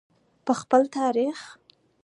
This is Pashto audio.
په خپل تاریخ.